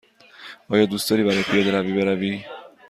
آیا دوست داری برای پیاده روی بروی؟